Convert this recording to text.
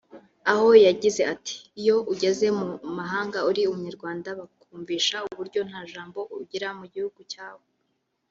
aho yajyize ati « iyo ujyeze mu mahanga uri umunyarwanda bakumvisha uburyo nta jambo ugira mu gihugu cyawe